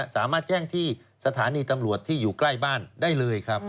สามารถแจ้งที่สถานีตำรวจที่อยู่ใกล้บ้านได้เลยครับ